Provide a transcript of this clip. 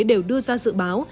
đều đưa ra dự báo